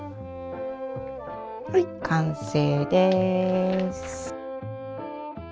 はい完成です！